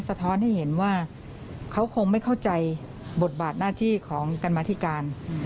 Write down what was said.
ท้อนให้เห็นว่าเขาคงไม่เข้าใจบทบาทหน้าที่ของกรรมธิการ